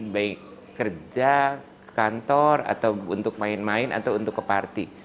baik kerja ke kantor atau untuk main main atau untuk ke party